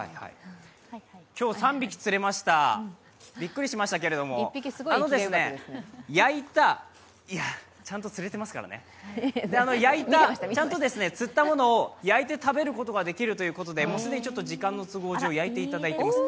今日３匹釣れましたびっくりしましたけどもちゃんと釣ったものを焼いて食べることができるということで、既に時間の都合上、焼いていただいています。